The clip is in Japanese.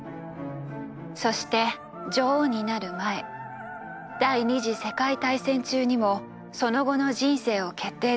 そして女王になる前第二次世界大戦中にもその後の人生を決定